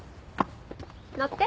乗って。